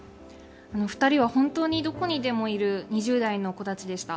２人は本当にどこにでもいる２０代の子たちでした。